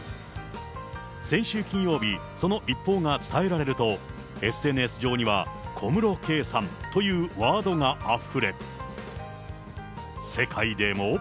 先週金曜日、その一報が伝えられると、ＳＮＳ上には、小室圭さんというワードがあふれ、世界でも。